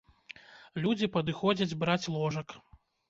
Людзі падыходзяць браць ложак.